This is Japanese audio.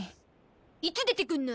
いつ出てくるの？